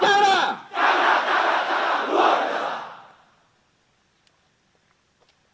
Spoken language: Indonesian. cakra cakra cakra luar biasa